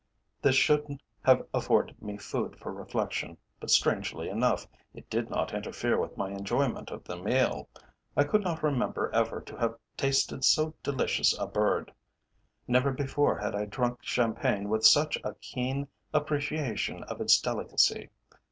This should have afforded me food for reflection, but, strangely enough, it did not interfere with my enjoyment of the meal. I could not remember ever to have tasted so delicious a bird. Never before had I drunk champagne with such a keen appreciation of its delicacy.